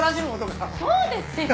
そうですよ！